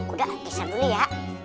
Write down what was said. udah keser dulu ya